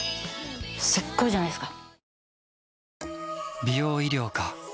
すっごいじゃないですか。